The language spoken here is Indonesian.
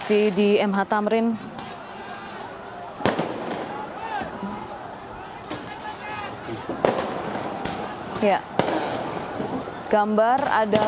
oxford g geeireole os analisa depan muka henuseng temosa dengan aktivitas induk